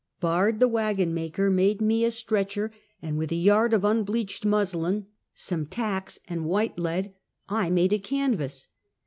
Bard, the wagon maker, made me a stretcher, and with a yard of unbleached muslin, some tacks and white lead, I made a canvas.